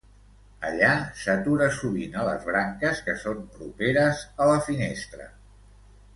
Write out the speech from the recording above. Allà s'atura sovint a les branques que són properes a la finestra.